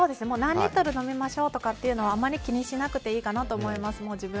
何リットル飲みましょうとかはあまり気にしなくていいかなと思います。